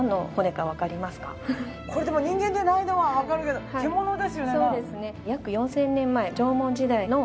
これでも人間でないのはわかるけど獣ですよね？